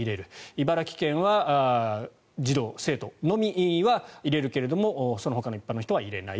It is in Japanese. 茨城県は児童・生徒のみは入れるけれどもそのほかの一般の人は入れない。